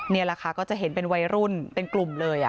นี่แหละค่ะก็จะเห็นเป็นวัยรุ่นเป็นกลุ่มเลย